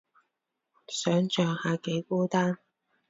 想像下幾孤單